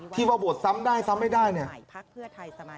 ที่ว่าโหวตซ้ำได้ซ้ำไม่ได้เนี่ย